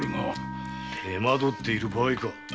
手間どってる場合か！